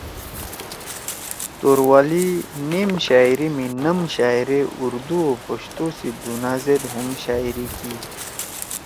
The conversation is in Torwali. توروالی نیم شاعری می نم شاعرے اُردو او پشتو سی دُھنا زید ہُم شاعری کی ئی۔